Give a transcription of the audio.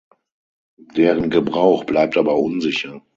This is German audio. Deren Gebrauch bleibt aber unsicher.